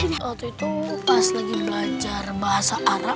ini waktu itu pas lagi belajar bahasa arab